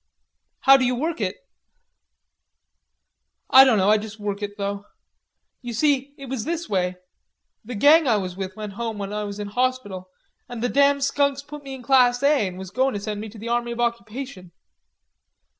"How d'you work it?" "I dunno. I juss work it though.... Ye see, it was this way. The gang I was with went home when I was in hauspital, and the damn skunks put me in class A and was goin' to send me to the Army of Occupation.